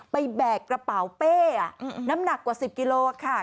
แบกกระเป๋าเป้น้ำหนักกว่า๑๐กิโลค่ะ